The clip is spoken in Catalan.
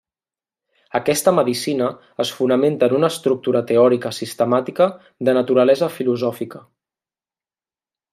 Aquesta medicina es fonamenta en una estructura teòrica sistemàtica de naturalesa filosòfica.